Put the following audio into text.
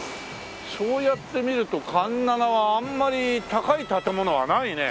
そうやって見ると環七はあんまり高い建物はないね。